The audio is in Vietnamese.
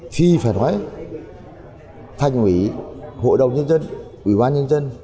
khi phải nói thành ủy hội đồng nhân dân ủy ban nhân dân